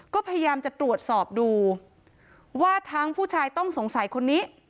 ก็พยายามจะตรวจสอบดูว่าทั้งผู้ชายต้องสงสัยคนนี้